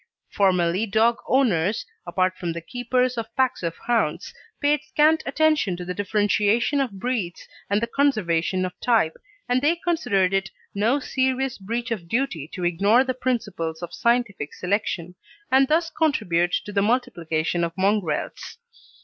Formerly dog owners apart from the keepers of packs of hounds paid scant attention to the differentiation of breeds and the conservation of type, and they considered it no serious breach of duty to ignore the principles of scientific selection, and thus contribute to the multiplication of mongrels.